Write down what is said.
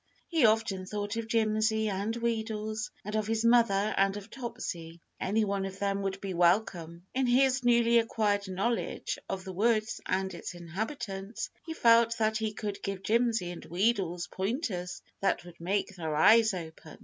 He often thought of Jimsy and Wheedles, and of his mother and of Topsy. Any one of them would be welcome. In his newly acquired knowledge of the woods and its inhabitants, he felt that he could give Jimsy and Wheedles pointers that would make their eyes open.